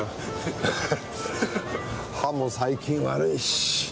歯も最近悪いし。